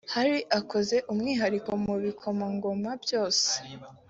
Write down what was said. Harry akoze umwihariko mu bikomomangoma byose